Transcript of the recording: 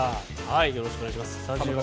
よろしくお願いします。